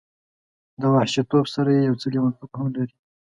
د وحشي توب سره یو څه لیونتوب هم لري.